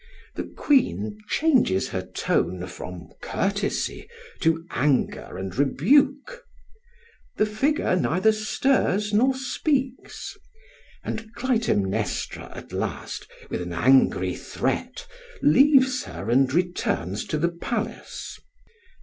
The queen changes her tone from courtesy to anger and rebuke; the figure neither stirs nor speaks; and Clytemnestra at last with an angry threat leaves her and returns to the palace.